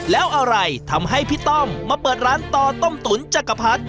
แล้วอะไรทำให้พี่ต้อมมาเปิดร้านต่อต้มตุ๋นจักรพรรดิ